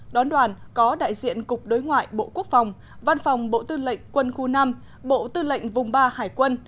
đón đoàn có đại diện cục đối ngoại bộ quốc phòng văn phòng bộ tư lệnh quân khu năm bộ tư lệnh vùng ba hải quân